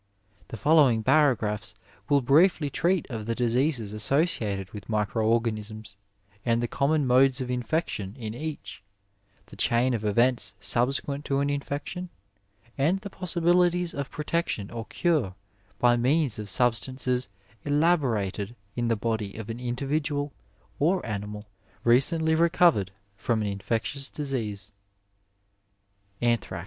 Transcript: The following paragraphs will briefly treat of the diseases associated with micro organisms and the common modes of infection in each, the chain of events subsequent to an infection, and the possibilities of protec tion or cure by means of substances elaborated in the body of an invidiual or animal recentiy recovered horn an in fectious disease : Anthrax.